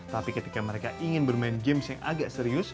tapi ketika mereka ingin bermain games yang agak serius